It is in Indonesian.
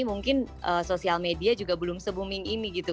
mungkin sosial media juga belum se booming ini gitu